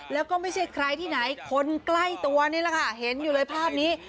แล้วก็ไม่ใช่ใครที่ไหนคนใกล้ตัวนี่แหละค่ะเห็นอยู่เลยภาพนี้